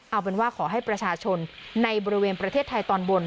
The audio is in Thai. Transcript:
เอาเป็นว่าขอให้ประชาชนในบริเวณประเทศไทยตอนบน